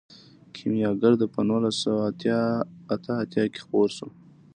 کیمیاګر په نولس سوه اته اتیا کې خپور شو.